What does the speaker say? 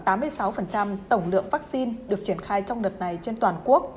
tổng lượng vaccine được triển khai trong đợt này trên toàn quốc